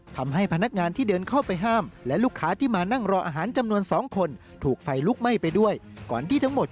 ทำให้พนักงานที่เดินเข้าไปห้าม